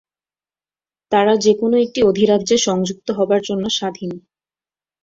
তারা যে কোন একটি অধিরাজ্যে সংযুক্ত হবার জন্য স্বাধীন।